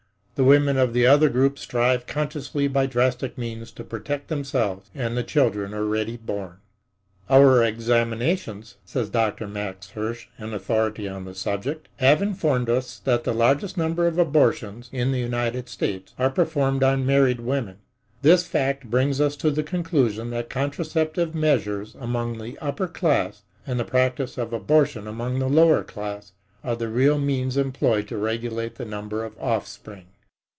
The women of the other group strive consciously by drastic means to protect themselves and the children already born."Our examinations," says Dr. Max Hirsch, an authority on the subject, "have informed us that the largest number of abortions (in the United States) are performed on married women. This fact brings us to the conclusion that contraceptive measures among the upper classes and the practice of abortion among the lower class, are the real means employed to regulate the number of offspring."